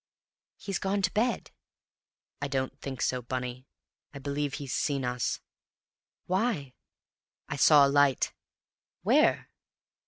"He's gone to bed!" "I don't think so, Bunny. I believe he's seen us." "Why?" "I saw a light." "Where?"